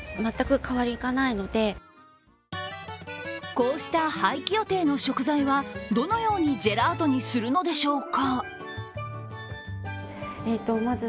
こうした廃棄予定の食材はどのようにジェラートにするのでしょうか。